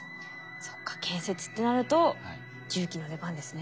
そっか建設ってなると重機の出番ですね。